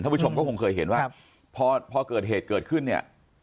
ผู้ชมก็คงเคยเห็นว่าพอเกิดเหตุเกิดขึ้นเนี่ย